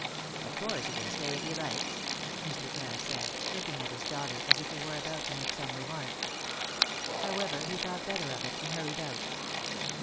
"Of course he can stay if he likes," Mr. Cass said, looking at his daughter as if he were about to make some remark. However, he thought better of it and hurried out.